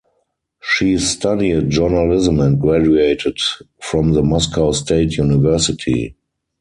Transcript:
She studied journalism and graduated from the Moscow State University.